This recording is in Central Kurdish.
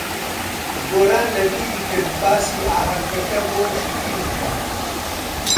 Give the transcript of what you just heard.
گۆران لەبیری کرد باسی ئاهەنگەکە بۆ شیرین بکات.